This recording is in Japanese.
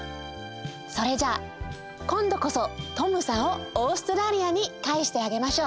それじゃあこんどこそＴｏｍさんをオーストラリアに帰してあげましょう。